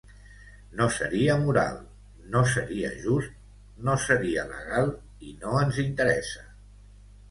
No seria moral, no seria just, no seria legal i no ens interessa.